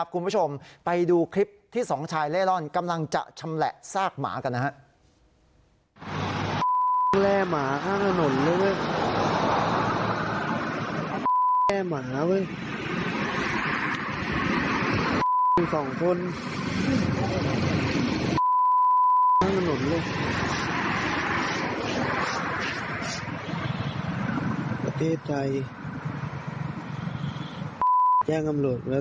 คุณผู้ชมไปดูคลิปที่สองชายเล่ร่อนกำลังจะชำแหละซากหมากันนะครับ